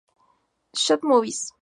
Shoot Movies!